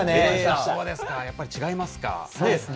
そうですか、やっぱり違いますか。